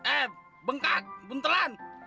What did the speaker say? eh bengkak buntelan